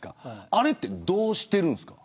あれって、どうしてるんですか。